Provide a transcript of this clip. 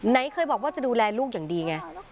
ไหนเคยบอกว่าจะดูแลลูกอย่างดีไง